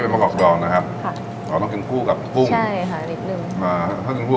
มะกอกดองนะคะค่ะเราต้องกินคู่กับกุ้งใช่ค่ะ